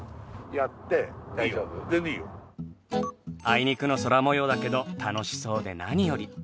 あいにくの空模様だけど楽しそうで何より。